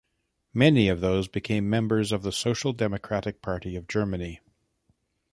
Many of those became members of the Social Democratic Party of Germany.